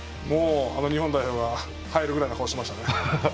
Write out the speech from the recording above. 日本代表に入るぐらいの顔してましたね。